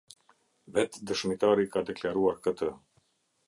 Vet dëshmitari ka deklaruar këtë.